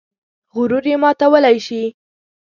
غرور یې ماتولی شي.